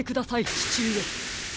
ちちうえ。